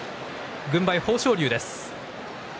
軍配は豊昇龍です。